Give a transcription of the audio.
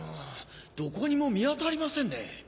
どこにも見当たりませんね。